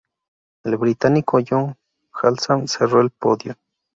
El británico Ron Haslam cerró el podio.